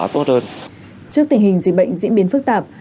trước tình hình dịch bệnh diễn biến phức tạp